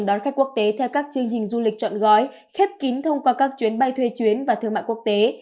đón khách quốc tế theo các chương trình du lịch chọn gói khép kín thông qua các chuyến bay thuê chuyến và thương mại quốc tế